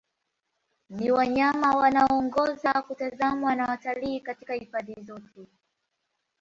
Ni wanyama wanaoongoza kutazamwa na watalii katika hifadhi zote